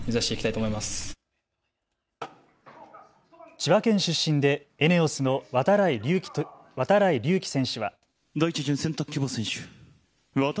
千葉県出身でＥＮＥＯＳの度会隆輝選手は。